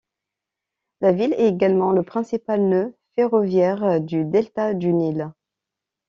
La ville est également le principal nœud ferroviaire du delta du Nil.